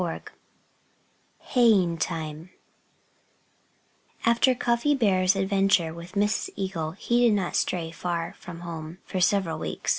XIII HAYING TIME After Cuffy Bear's adventure with Mrs. Eagle he did not stray far from home for several weeks.